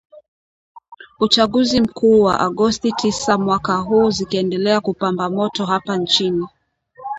uchaguzi mkuu wa agosti tisa mwaka huu zikiendelea kupamba moto hapa nchini